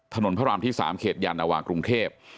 พระรามที่๓เขตยานวากรุงเทพ